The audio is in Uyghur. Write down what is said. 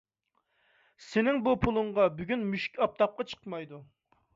سېنىڭ بۇ پۇلۇڭغا بۈگۈن مۈشۈك ئاپتاپقا چىقمايدۇ.